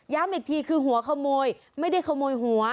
อีกทีคือหัวขโมยไม่ได้ขโมยหัว